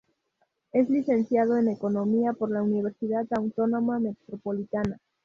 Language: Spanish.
Es licenciado en Economía por la Universidad Autónoma Metropolitana.